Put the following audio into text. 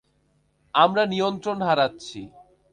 আমরা নিয়ন্ত্রণ হারাচ্ছি।